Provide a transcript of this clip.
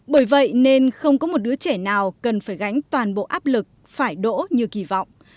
bởi vậy nên không có một đứa trẻ nào cần phải gánh toàn bộ áp lực phải đỗ như kỳ vọng